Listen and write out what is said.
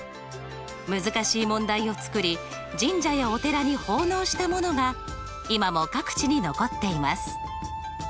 難しい問題を作り神社やお寺に奉納したものが今も各地に残っています。